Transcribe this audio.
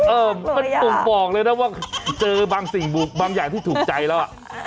อืบต้องบอกเลยนะว่าเจอบางสิ่งบางอย่างที่ถูกใจแล้ว